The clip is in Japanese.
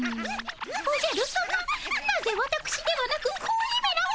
おじゃるさまなぜわたくしではなく子鬼めらを？